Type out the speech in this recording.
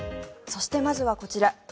そして、まずはこちら。